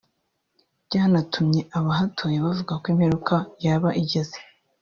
byanatumye abahatuye bavuga ko imperuka yaba igeze